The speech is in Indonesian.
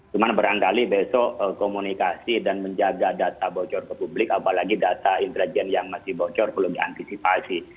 cuma berangkali besok komunikasi dan menjaga data bocor ke publik apalagi data intelijen yang masih bocor perlu diantisipasi